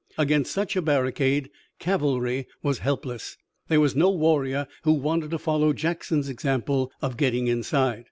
Against such a barricade cavalry was helpless. There was no warrior who wanted to follow Jackson's example of getting inside.